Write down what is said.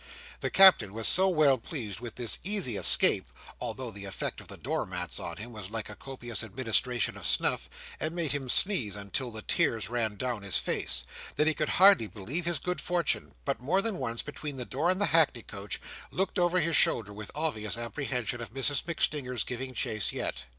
The Captain was so well pleased with this easy escape—although the effect of the door mats on him was like a copious administration of snuff, and made him sneeze until the tears ran down his face—that he could hardly believe his good fortune; but more than once, between the door and the hackney coach, looked over his shoulder, with an obvious apprehension of Mrs MacStinger's giving chase yet.